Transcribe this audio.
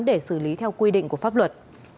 để xử lý theo quy định của pháp luật